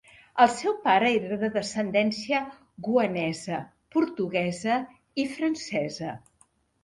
El seu pare era de descendència goanesa, portuguesa i francesa.